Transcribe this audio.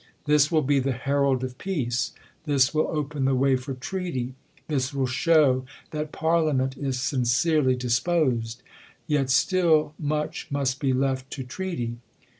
This will be fhe herald of peace ; this will open the way for treaty ; this will show that parliament is sincerely disposed. Yet still much must be left to treaty.